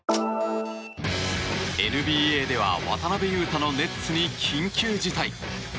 ＮＢＡでは渡邊雄太のネッツに緊急事態。